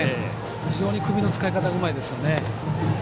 非常に首の使い方がうまいですよね。